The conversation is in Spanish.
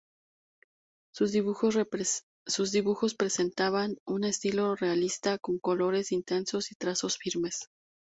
Sus dibujos presentaban un estilo realista con colores intensos y trazos firmes.